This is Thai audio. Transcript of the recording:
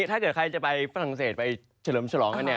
ถ้าใครจะไปฝรั่งเศสเฉลิมฉลองกัน